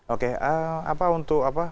oke apa untuk apa